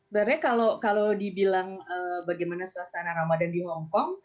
sebenarnya kalau dibilang bagaimana suasana ramadan di hongkong